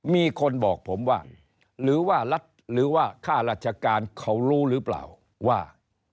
มีคนบอกผมว่าหรือว่ารัฐหรือว่าค่าราชการเขารู้หรือเปล่าว่า